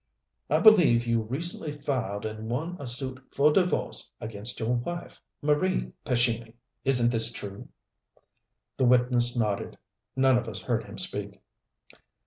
"I believe you recently filed and won a suit for divorce against your wife, Marie Pescini. Isn't this true?" The witness nodded. None of us heard him speak.